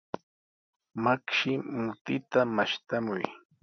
Makshi, mutita mashtamuy.